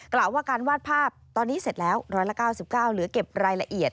กล่าวว่าการวาดภาพตอนนี้เสร็จแล้ว๑๙๙เหลือเก็บรายละเอียด